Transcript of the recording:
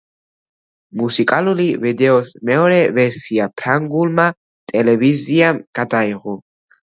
მუსიკალური ვიდეოს მეორე ვერსია ფრანგულმა ტელევიზიამ გადაიღო.